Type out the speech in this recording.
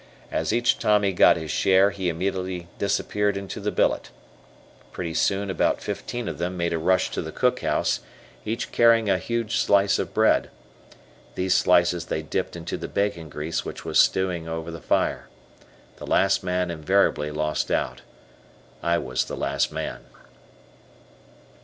As each Tommy got his share, he immediately disappeared into the billet. Pretty soon about fifteen of them made a rush to the cookhouse, each carrying a huge slice of bread. These slices they dipped into the bacon grease which was stewing over the fire. The last man invariably lost out. I was the last man.